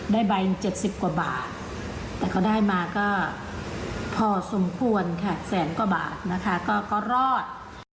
ได้ใบ๗๐กว่าบาทแต่เขาได้มาก็พอสมควรค่ะแสนกว่าบาทนะคะก็รอด